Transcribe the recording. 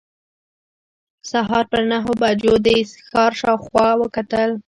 سهار پر نهو بجو د ښار شاوخوا وکتل.